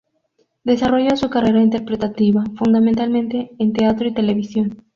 Desarrolla su carrera interpretativa, fundamentalmente, en teatro y televisión.